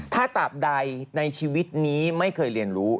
ถ้าตราบใดในชีวิตนี้ไม่เคยเรียนรู้